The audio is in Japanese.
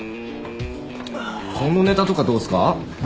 このネタとかどうっすか？